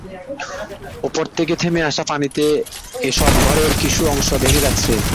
ওপর থেকে নেমে আসা পানিতে এসব ঘরের কিছু অংশ ভেঙে যাচ্ছে।